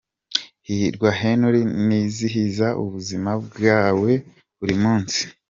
HirwaKhenry nizihiza ubuzima bwawe buri munsi.